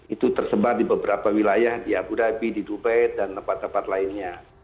itu tersebar di beberapa wilayah di abu dhabi di dubet dan tempat tempat lainnya